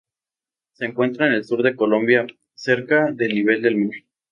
Se encuentra en el sur de Colombia, cerca del nivel del mar.